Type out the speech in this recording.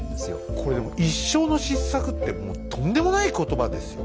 これでも一生の失策ってもうとんでもない言葉ですよ。